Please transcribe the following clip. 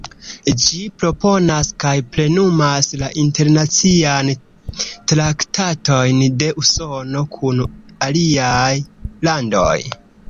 Ĝi proponas kaj plenumas la internacian traktatojn de Usono kun aliaj landoj.